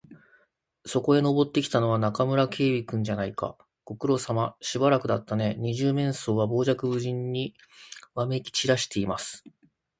そこへ登ってきたのは、中村警部君じゃないか。ご苦労さま。しばらくだったねえ。二十面相は傍若無人にわめきちらしています。